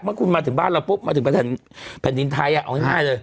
เมื่อคุณมาถึงบ้านเราปุ๊บมาถึงแผ่นดินไทยเอาง่ายเลย